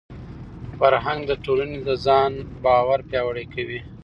فرهنګ د ټولني د ځان باور پیاوړی کوي.